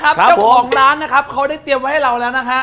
เจ้าของร้านนะครับเขาได้เตรียมไว้ให้เราแล้วนะฮะ